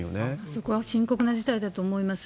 そこは深刻な事態だと思います。